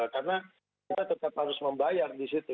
karena kita tetap harus membayar di situ